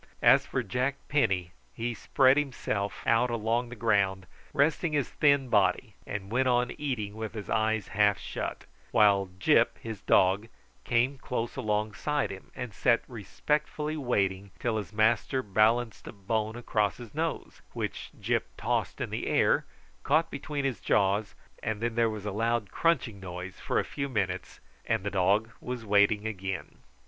As for Jack Penny, he spread himself out along the ground, resting his thin body, and went on eating with his eyes half shut; while Gyp, his dog, came close alongside him, and sat respectfully waiting till his master balanced a bone across his nose, which Gyp tossed in the air, caught between his jaws, and then there was a loud crunching noise for a few minutes, and the dog was waiting again.